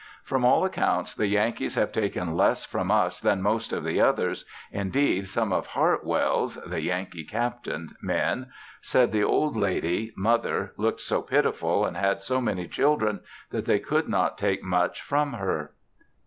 From all accounts the Yankees have taken less from us than most of the others, indeed, some of Hartwell's (the Yankee Captain) men said the old lady (Mother) looked so pitiful and had so many children that they could not take much from her.